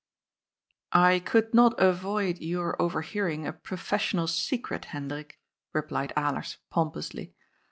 " I could not avoid your overhearing a professional se cret, Hendrik," replied Alers pompously.